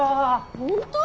本当？